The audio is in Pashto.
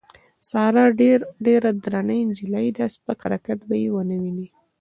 ساره ډېره درنه نجیلۍ ده سپک حرکت به یې ونه وینې.